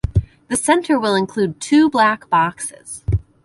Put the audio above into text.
The centre will include two Black Boxes.